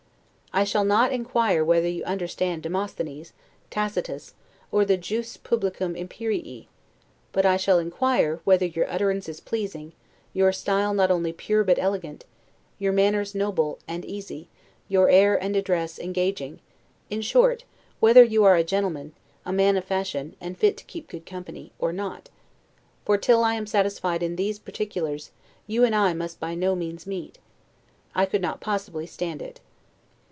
I shall not inquire whether you understand Demosthenes, Tacitus, or the 'Jus Publicum Imperii'; but I shall inquire, whether your utterance is pleasing, your style not only pure, but elegant, your manners noble and easy, your air and address engaging in short, whether you are a gentleman, a man of fashion, and fit to keep good company, or not; for, till I am satisfied in these particulars, you and I must by no means meet; I could not possibly stand it.